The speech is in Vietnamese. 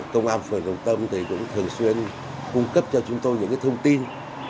công an phường đồng tâm thì cũng thường xuyên cung cấp cho chúng tôi những thông tin